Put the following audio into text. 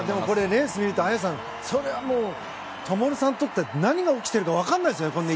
レース見ると綾さん、それはもう灯さんにとって何が起きてるか分からないですよね。